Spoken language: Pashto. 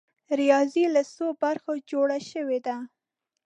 ریاضي له څو برخو جوړه شوې ده؟